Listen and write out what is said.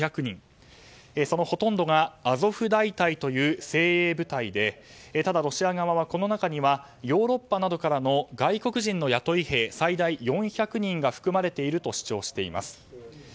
そのほとんどがアゾフ大隊という精鋭部隊でただロシア側はこの中にはヨーロッパなどからの外国人の雇い兵最大４００人が含まれていると主張しています。